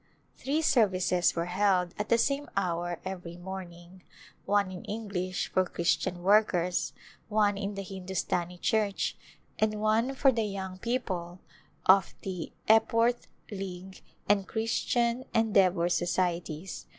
Three services were held at the same hour every morning : one in English for Christian workers, one in the Hindustani Church, and one for the young people of the Epworth League and Christian En deavor Societies.